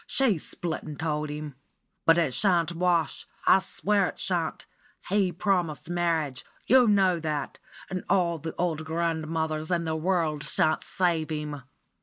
She split an' told him. But it shan't wash; I swear it shan't. He's promised marriage, you know that; and all the old grandmothers in the world shan't save him!"